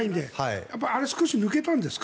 あれ少し抜けたんですか？